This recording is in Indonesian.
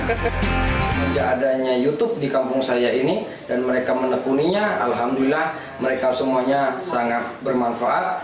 adanya youtube di kampung saya ini dan mereka menekuninya alhamdulillah mereka semuanya sangat bermanfaat